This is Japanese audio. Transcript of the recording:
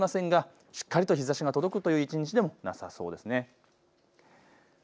天気の大きな崩れはありませんがしっかりと日ざしが届くという一日でもなさそうですね。